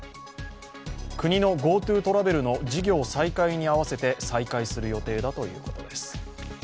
国のＧｏＴｏトラベルの事業再開に合わせて再開する予定だということです。